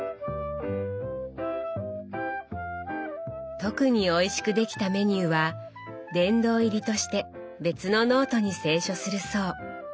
特においしくできたメニューは「殿堂入り」として別のノートに清書するそう。